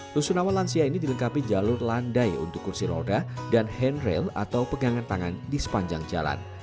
rusunawa lansia ini dilengkapi jalur landai untuk kursi roda dan handrail atau pegangan tangan di sepanjang jalan